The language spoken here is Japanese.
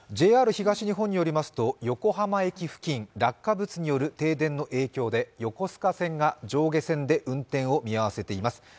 ＪＲ東日本によりますと、横浜駅付近落下物による停電の影響で横須賀線が上下線で運転を見合わせています。